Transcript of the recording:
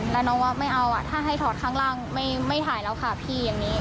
แล้วน้องว่าไม่เอาถ้าให้ถอดข้างล่างไม่ถ่ายแล้วค่ะพี่อย่างนี้